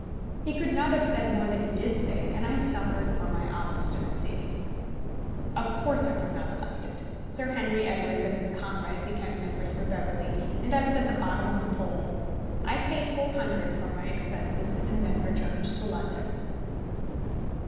He could not have said more than he did say, and I suffered for my obstinacy. Of course I was not elected. Sir Henry Edwards and his comrade became members for Beverley, and I was at the bottom of the poll. I paid £400 for my expenses, and then returned to London.